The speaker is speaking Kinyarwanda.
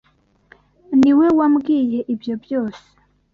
Niwe wambwiye ibyo byose.